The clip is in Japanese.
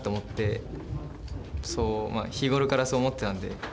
そう日頃からそう思ってたんで。